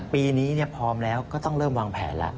ปีนี้พร้อมแล้วก็ต้องเริ่มวางแผนแล้ว